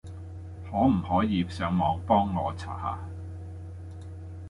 可唔可以上網幫我查下？